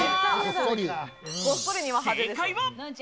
正解は。